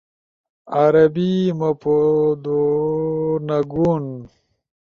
عربی، مپُودُونگُون